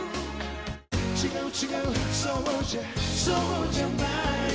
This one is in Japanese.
「違う違うそうじゃそうじゃない」